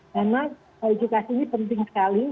karena edukasi ini penting sekali